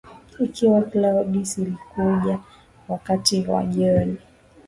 Ikiwa Claudius alikuja wakati wa jioni